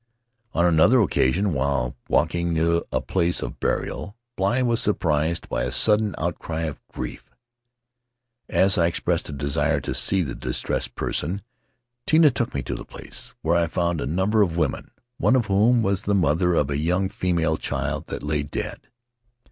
On another occasion, while walk ing near a place of burial, Bligh was "surprised by a sudden outcry of grief. As I expressed a desire to see [2741 At the House of Tari the distressed person, Tinah took me to the place, where I found a number of women, one of whom was the mother of a young female child that lay dead.